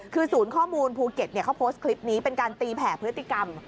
คือศูนย์ข้อมูลภูเก็ตเขาโพสต์คลิปนี้เป็นการตีแผ่พฤติกรรม